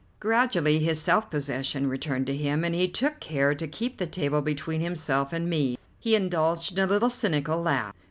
Gradually his self possession returned to him, but he took care to keep the table between himself and me. He indulged in a little cynical laugh.